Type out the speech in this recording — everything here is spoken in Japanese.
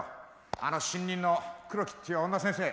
あの新任の黒木っていう女先生